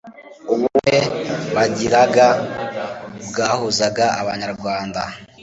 ubumwe bagiraga bwahuzaga abanyarwanda